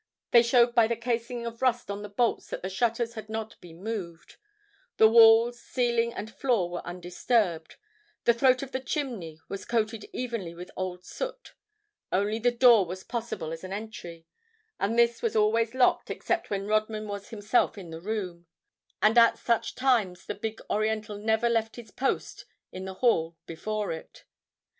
They showed by the casing of rust on the bolts that the shutters had not been moved; the walls, ceiling and floor were undisturbed; the throat of the chimney was coated evenly with old soot. Only the door was possible as an entry, and this was always locked except when Rodman was himself in the room. And at such times the big Oriental never left his post in the hall before it.